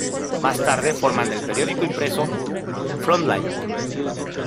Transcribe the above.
Más tarde forman el periódico impreso Front Line.